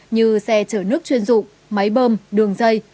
như xe chở nước chuyên dụng máy bơm đường dây